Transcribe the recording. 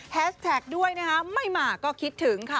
แท็กด้วยนะคะไม่มาก็คิดถึงค่ะ